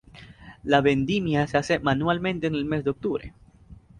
La vendimia se hace manualmente en el mes de octubre.